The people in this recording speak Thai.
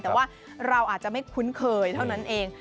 แต่ว่าเราอาจจะไม่คุ้นเคยเท่านั้นเอง